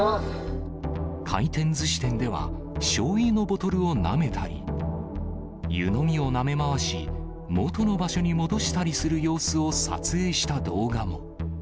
回転ずし店では、しょうゆのボトルをなめたり、湯飲みをなめ回し、元の場所に戻したりする様子を撮影した動画も。